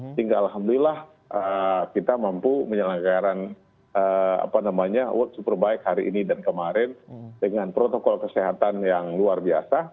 sehingga alhamdulillah kita mampu menyelenggarakan world superbike hari ini dan kemarin dengan protokol kesehatan yang luar biasa